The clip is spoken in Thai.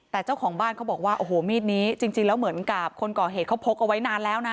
แต่เจ้าของบ้านเขาบอกว่าโอ้โหมีดนี้จริงแล้วเหมือนกับคนก่อเหตุเขาพกเอาไว้นานแล้วนะ